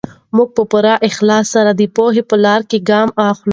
موږ په پوره اخلاص سره د پوهې په لاره کې ګام اخلو.